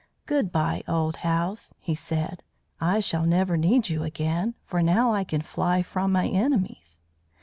"Good bye, old house," he said. "I shall never need you again, for now I can fly from my enemies."